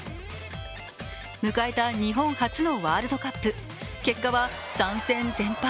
迎えた日本初のワールドカップ、結果は３戦全敗。